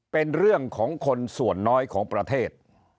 เป็นเรื่องของคนส่วนน้อยของประเทศ